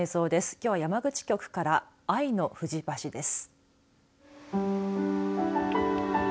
きょうは山口局から愛のふじ橋です。